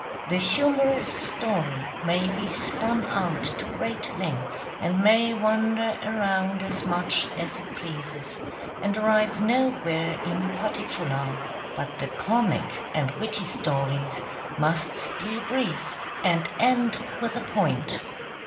The humorous story may be spun out to great length, and may wander around as much as it pleases, and arrive nowhere in particular; but the comic and witty stories must be brief and end with a point.